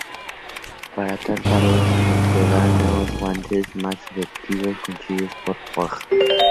Para tal tarea, se le entregaron nuevos guantes más efectivos, construidos por Forja.